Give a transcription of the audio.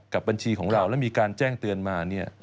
บัญชีของเราแล้วมีการแจ้งเตือนมา